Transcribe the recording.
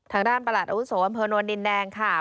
ทางด้านประหลาดอาวุธโสบรรพนวลดินแดงค่ะ